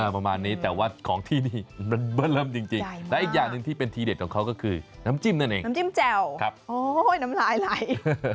พอมานี้แต่ว่าของที่นี่มันบ้าลำจริงและอีกอย่างหนึ่งที่เป็นแลกของเขาก็คือน้ำจิ้มนั้นเองเจ้าโอ้โหน้ำลายไหล